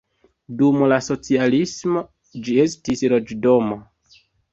Dum la socialismo ĝi estis loĝdomo.